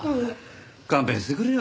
勘弁してくれよ。